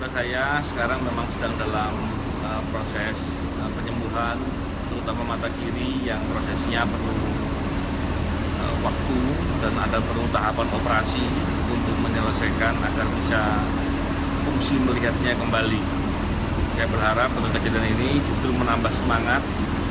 saya berharap penelitian ini justru menambah semangat